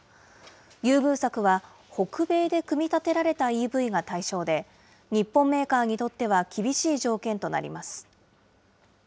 優遇策は、北米で組み立てられたＥＶが対象で、日本メーカーにとっては厳しい条件となります。